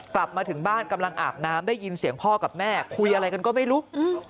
กลับมาถึงบ้านกำลังอาบน้ำได้ยินเสียงพ่อกับแม่คุยอะไรกันก็ไม่รู้